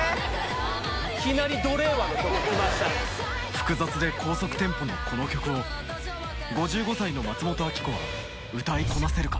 複雑で高速テンポのこの曲を５５歳の松本明子は歌いこなせるか？